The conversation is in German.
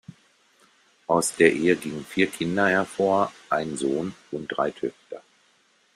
Aus der Ehe gingen vier Kinder hervor, ein Sohn und drei Töchter.